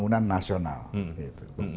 berceramlah nanti men further